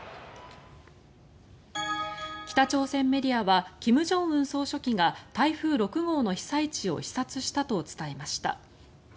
北朝鮮メディアは金正恩総書記が台風６号の被災地を視察したと伝えました。